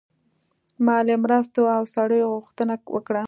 مالي مرستو او سړیو غوښتنه وکړه.